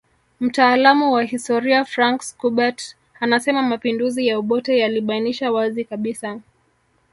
Mtaalamu wa historia Frank Schubert anasema mapinduzi ya Obote yalibainisha wazi kabisa